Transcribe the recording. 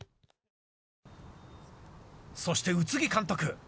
そして宇津木監督。